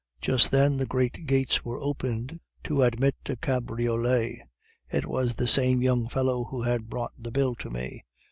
"'Just then the great gates were opened to admit a cabriolet. It was the same young fellow who had brought the bill to me.